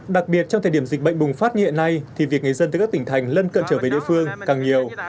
đặc biệt trong thời điểm dịch bệnh bùng phát như hiện nay thì việc người dân từ các tỉnh thành lân cận trở về địa phương càng nhiều